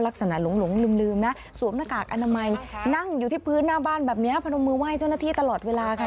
คือหน้าบ้านแบบนี้พนมมือไหว้เจ้าหน้าที่ตลอดเวลาค่ะ